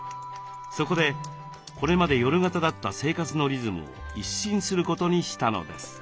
そこでこれまで夜型だった生活のリズムを一新することにしたのです。